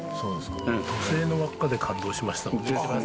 土星の輪っかで感動しました。